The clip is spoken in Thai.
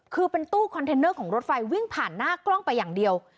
คือเป็นตู้คอนเทนเนอร์ของรถไฟวิ่งผ่านหน้ากล้องไปอย่างเดียว